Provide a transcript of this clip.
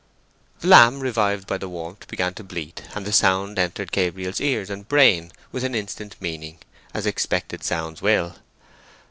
The lamb, revived by the warmth, began to bleat, and the sound entered Gabriel's ears and brain with an instant meaning, as expected sounds will.